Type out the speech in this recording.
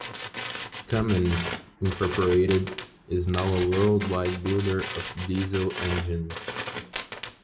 Cummins, Incorporated is now a worldwide builder of diesel engines.